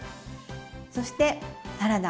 そしてサラダ。